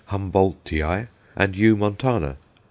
Humboldtii_, and U. montana.